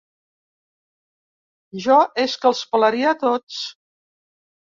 Jo és que els pelaria a tots.